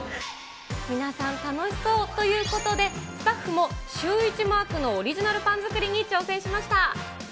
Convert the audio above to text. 皆さん、楽しそうということで、スタッフもシューイチマークのオリジナルパン作りに挑戦しました。